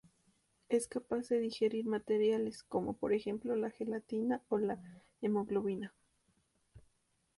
Es capaz de digerir materiales, como por ejemplo la gelatina o la hemoglobina.